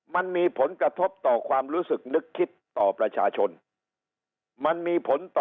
มันมีผลกระทบต่อความรู้สึกนึกคิดต่อประชาชนมันมีผลต่อ